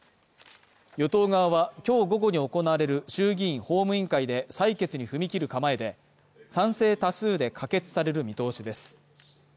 与党側は、今日午後に行われる衆議院法務委員会で採決に踏み切る構えで賛成多数で可決される見通しです。